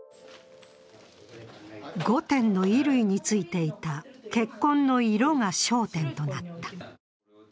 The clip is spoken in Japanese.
５点の衣類についていた血痕の色が焦点となった。